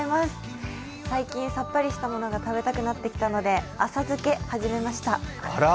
最近さっぱりしたものが食べたくなってきたので浅漬け始めました。